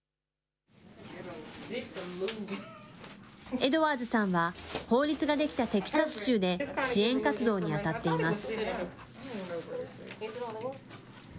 エドワーズさんは、法律が出来たテキサス州で支援活動に当たっています。